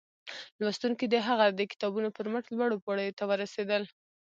لوستونکي د هغه د کتابونو پر مټ لوړو پوړيو ته ورسېدل